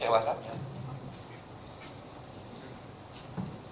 terus respon dari mereka